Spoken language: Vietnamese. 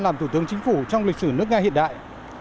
làm thủ tướng chính phủ trong lịch sử nước nga hiện đại